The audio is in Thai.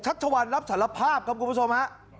ชัดชะวันรับสารภาพครับคุณผู้ชมครับ